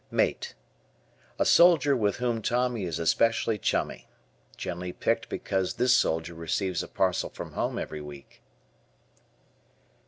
Mate. A soldier with whom Tommy is especially "chummy." Generally picked because this soldier receives a parcel from home every week.